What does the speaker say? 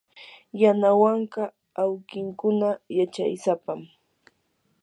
yanawanka awkinkuna yachaysapam.